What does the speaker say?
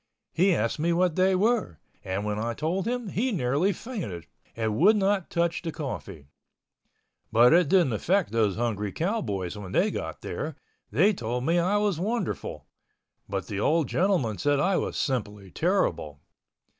He asked me what they were, and when I told him he nearly fainted, and would not touch the coffee. But it didn't affect those hungry cowboys when they got there; they told me I was wonderful, but the old gentleman said I was simply terrible.